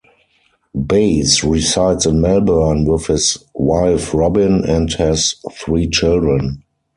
Base resides in Melbourne with his wife Robyn and has three children.